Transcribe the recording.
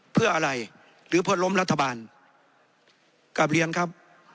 เพื่ออะไรหรือเพื่อล้มรัฐบาลกลับเรียนครับ